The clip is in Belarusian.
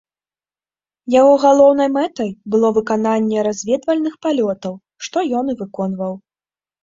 Яго галоўнай мэтай было выкананне разведвальных палётаў, што ён і выконваў.